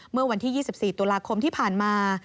เมื่อวันที่๒๔ตุลาคมที่ผ่านมา